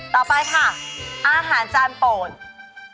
ต่อไปค่ะอาหารจานโปรด